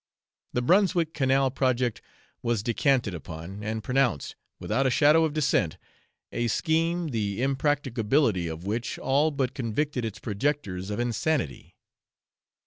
The Brunswick canal project was descanted upon, and pronounced, without a shadow of dissent, a scheme the impracticability of which all but convicted its projectors of insanity.